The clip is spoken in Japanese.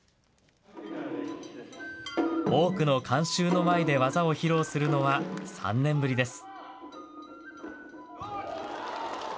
多くの観衆の前で技を披露するのは３年ぶりです。